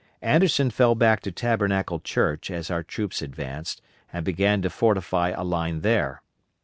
Anderson fell back to Tabernacle Church as our troops advanced, and began to fortify a line there.